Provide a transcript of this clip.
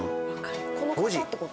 この方って事？